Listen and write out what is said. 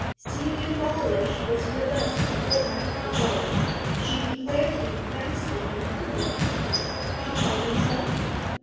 Celia Dawlish was with us a fortnight ago; she declared him vastly improved.' 'She told him so?'